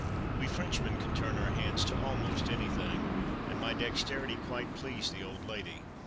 We Frenchmen can turn our hands to almost anything, and my dexterity quite pleased the old lady.